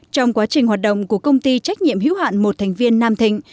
trong quá trình hoạt động của công ty trách nhiệm hữu hạn một thành viên nam thịnh